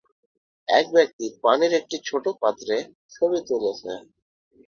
এক ব্যক্তি পানির একটি ছোট পাত্রে ছবি তুলছে।